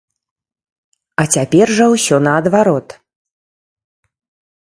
А цяпер жа ўсё наадварот.